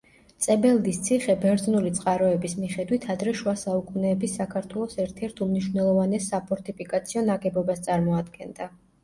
წებელდის ციხე, ბერძნული წყაროების მიხედვით ადრე შუა საუკუნეების საქართველოს ერთ-ერთ უმნიშვნელოვანეს საფორტიფიკაციო ნაგებობას წარმოადგენდა.